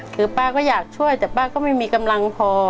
คือป้าก็อยากช่วยแต่ป้าก็ไม่มีกำลังพอ